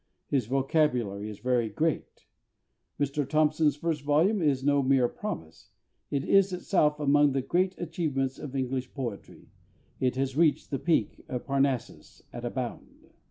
His vocabulary is very great.... Mr THOMPSON'S first volume is no mere promise it is itself among the great achievements of English poetry; it has reached the peak of Parnassus at a bound.